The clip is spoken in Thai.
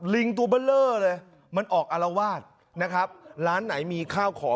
ลิงตัวเบอร์เลอร์เลยมันออกอารวาสนะครับร้านไหนมีข้าวของ